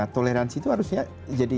toleransi itu harusnya jadi